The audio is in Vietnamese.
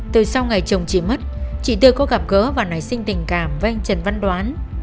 từ sau ngày chồng chị mất chị tươi có gặp gỡ và nảy sinh tình cảm với anh trần văn đoán